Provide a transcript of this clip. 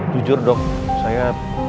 jujur dok saya